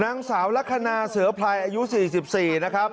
นางสาวราคนาเศรือพลายอายุ๔๔นะครับ